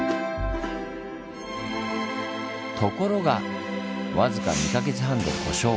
ところが僅か２か月半で故障。